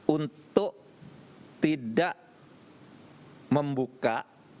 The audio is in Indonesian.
untuk tidak membuka